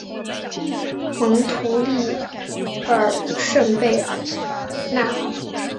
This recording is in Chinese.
蒙图利厄圣贝尔纳尔。